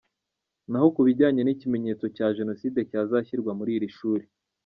Naho ku bijyanye n’ikimenyetso cya Jenoside cyazashyirwa muri iri shuri,